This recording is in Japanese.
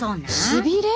しびれ！？